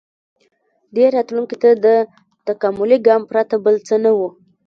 • دې راتلونکي ته د تکاملي ګام پرته بل څه نه و.